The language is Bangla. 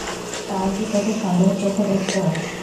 তারা কি তোকে সন্দেহের চোখে দেখত?